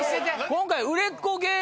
今回。